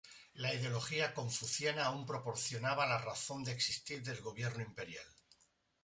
La ideología confuciana aún proporcionaba la razón de existir del gobierno imperial.